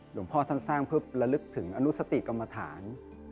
หลวงพ่อท่านสร้างเพื่อระลึกถึงอนุสติกรรมฐาน